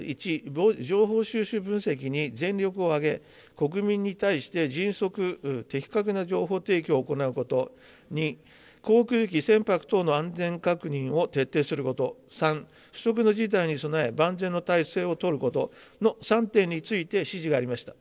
１、分析に全力を挙げ、国民に対して迅速、的確な情報提供を行うこと、２、航空機、船舶等の安全確認を徹底すること、３、不測の事態に備え、万全の態勢を取ることの３点について指示がありました。